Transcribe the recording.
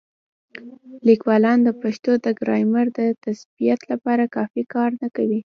لیکوالان د پښتو د ګرامر د تثبیت لپاره کافي کار نه کوي.